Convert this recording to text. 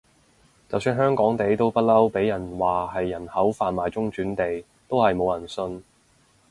就算香港地都不嬲畀人話係人口販賣中轉地，都係冇人信